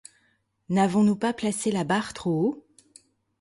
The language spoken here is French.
N’avons-nous pas placé la barre trop haut ?